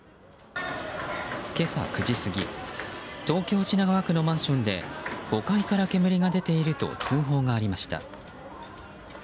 今朝９時過ぎ東京・品川区のマンションで５階から煙が出ていると通報がありました。